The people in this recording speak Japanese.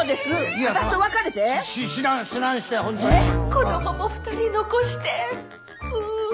子供も２人残してうう。